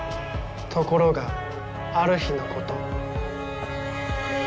ところがある日のこと。